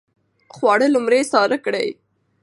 خواړه لومړی ساړه کړئ.